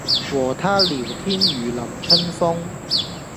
和他聊天如淋春風